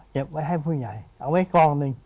เก็บไว้ให้ผู้ใหญ่เอาไว้กองนึง